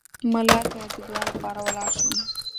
ملا صیب د دعا لپاره ولاړ شو.